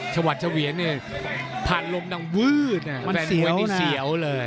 ชวัดเฉวียนเนี่ยผ่านลมดังวืดมันสวยนี่เสียวเลย